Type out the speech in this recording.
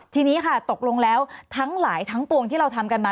ทีนี้ค่ะตกลงแล้วทั้งหลายทั้งปวงที่เราทำกันมา